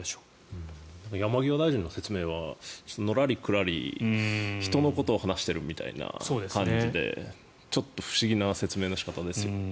山際大臣の説明はのらりくらり人のことを話している感じでちょっと不思議な説明の仕方ですよね。